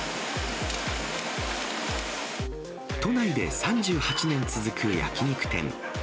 都内で３８年続く焼き肉店。